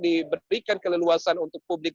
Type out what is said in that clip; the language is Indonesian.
diberikan keleluasan untuk publik